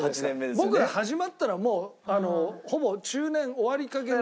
僕ら始まったのもうほぼ中年終わりかけの。